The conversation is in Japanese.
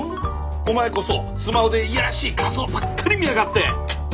おまえこそスマホでいやらしい画像ばっかり見やがって！